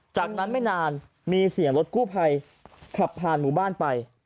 จากนั้นไม่นานมีเสียงรถกู้ภัยขับผ่านหมู่บ้านไป